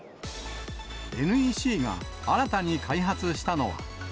ＮＥＣが新たに開発したのは。